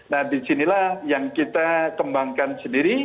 nah disinilah yang kita kembangkan sendiri